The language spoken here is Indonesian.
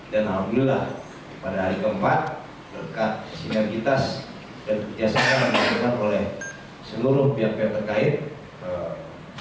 dan alhamdulillah pada hari keempat dekat sinaritas dan biasanya diperlukan oleh seluruh pihak pihak terkait